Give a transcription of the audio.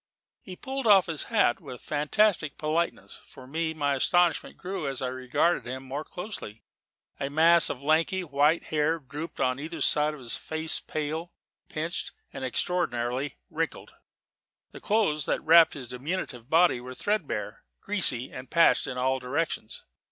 He pulled off his hat with a fantastic politeness. For me, my astonishment grew as I regarded him more closely. A mass of lanky, white hair drooped on either side of a face pale, pinched, and extraordinarily wrinkled; the clothes that wrapped his diminutive body were threadbare, greasy, and patched in all directions.